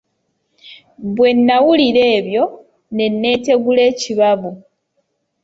Bwe nnawulira ebyo, ne nneetegula ekibabu.